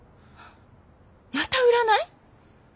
また占い？